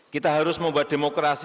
kita harus membuat demokrasi